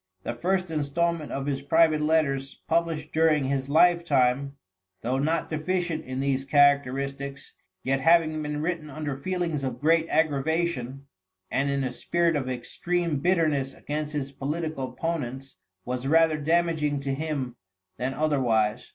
The first installment of his private letters published during his lifetime, though not deficient in these characteristics, yet having been written under feelings of great aggravation, and in a spirit of extreme bitterness against his political opponents, was rather damaging to him than otherwise.